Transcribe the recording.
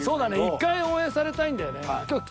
１回応援されたいんだよね。